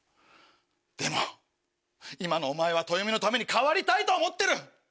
でも今のお前は豊美のために変わりたいと思ってる。